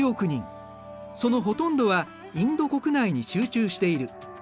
そのほとんどはインド国内に集中している。